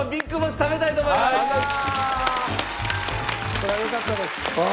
それはよかったです。